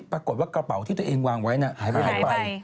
ปรากฏว่ากระเป๋าที่ตัวเองวางไว้หายไป